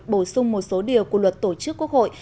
bổ sung một số điều của luật tổ chức quốc hội